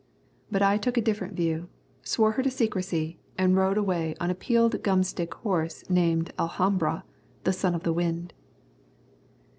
But I took a different view, swore her to secrecy, and rode away on a peeled gum stick horse named Alhambra, the Son of the Wind.